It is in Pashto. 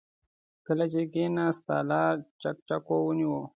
کله چې کېناست، تالار چکچکو ونيو.